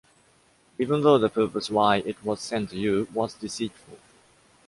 Even though the purpose why it was sent to you was deceitful.